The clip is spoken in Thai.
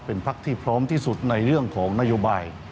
เป็นพักที่พร้อมที่สุดในเรื่องของนโยบาย